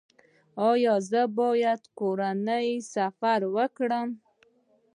ایا زه باید کورنی سفر وکړم؟